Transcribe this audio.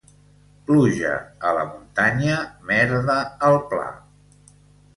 Pluja a la muntanya, merda al pla.